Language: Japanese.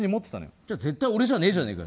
じゃあ、確実に俺じゃねえじゃねえかよ。